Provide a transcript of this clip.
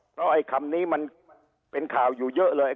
เพราะไอ้คำนี้มันเป็นข่าวอยู่เยอะเลย